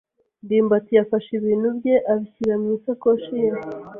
ndimbati yafashe ibintu bye abishyira mu isakoshi ye.